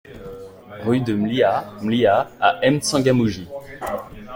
RUE DE MLIHA - MLIHA à M'Tsangamouji